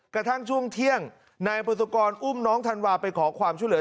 กระทั่งช่วงเที่ยงนายพุทธกรอุ้มน้องธันวาไปขอความช่วยเหลือ